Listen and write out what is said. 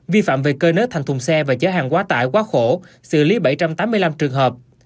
vi phạm về cơi nớt thành thùng xe và chở hàng quá tải quá khổ xử lý bảy trăm tám mươi năm trường hợp